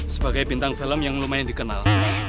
sebagai bintang film yang lumayan dikenal